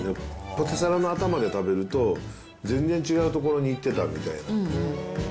ポテサラの頭で食べると全然違うところにいってたみたいな。